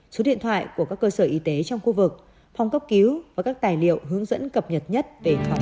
số điện thoại của các cơ sở y tế trong khu vực phòng cấp cứu và các tài liệu hướng dẫn cập nhật nhất về phòng